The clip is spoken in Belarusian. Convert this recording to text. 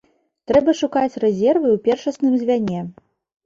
Трэба шукаць рэзервы ў першасным звяне.